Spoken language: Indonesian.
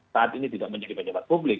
saat ini tidak menjadi pejabat publik